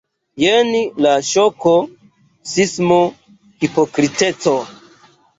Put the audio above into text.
Jen la ŝoko, sismo, hipokriteco.